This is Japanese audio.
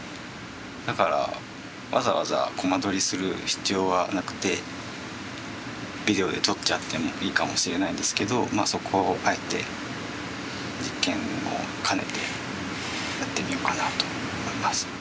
だからわざわざコマ撮りする必要はなくてビデオで撮っちゃってもいいかもしれないんですけどそこをあえて実験も兼ねてやってみようかなと思います。